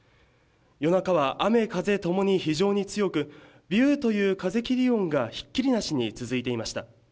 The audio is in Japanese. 夜中は雨風ともに非常に強くビューという風切音がひっきりなしに続いていました。